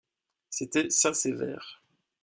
C'était saint Sever.